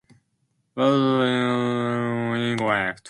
The false reporting later fueled the sentiment of him being innocent.